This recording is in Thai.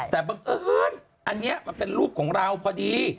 แต่บังเอิญอันนี้มันเป็นรูปของเราพอดี